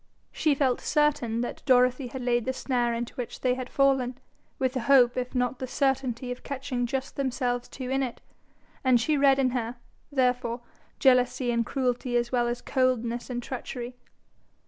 She felt certain that Dorothy had laid the snare into which they had fallen, with the hope if not the certainty of catching just themselves two in it, and she read in her, therefore, jealousy and cruelty as well as coldness and treachery.